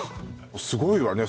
すごいわね